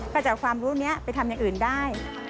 ก็จะเอาความรู้นี้ไปทำอย่างอื่นได้